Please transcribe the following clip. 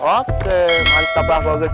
oke mantap lah bapak beso